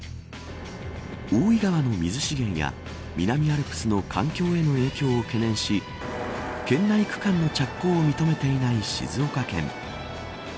大井川の水資源や南アルプスの環境への影響を懸念し県内区間の着工を認めていない静岡県。